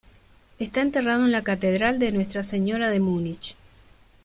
Está enterrado en la Catedral de Nuestra Señora de Múnich.